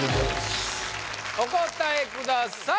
お答えください